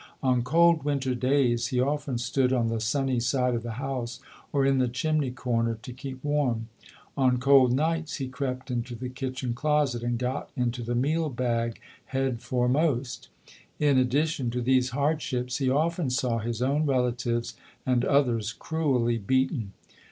On cold winter days he often stood on the sunny side of the house or in the chimney corner to keep warm. On cold nights he crept into the kitchen closet and got into the meal bag headforemost. In addi tion to these hardships, he often saw his own rela tives and others cruelly beaten.